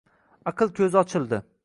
Aql ko’zi ochildi.